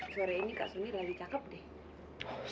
suara ini kak suni lagi cakep deh